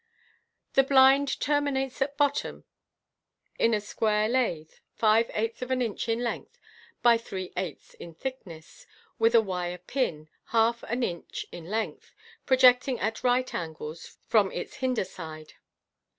The blind terminates at bottom in a square lath, five eighths of an inch in length by three eighths in thickness, with a wire pin, half an inch in length, projecting at right angles from its hinder side.